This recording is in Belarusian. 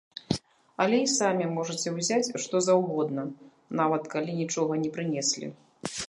Але і самі можаце ўзяць што заўгодна, нават калі нічога не прынеслі.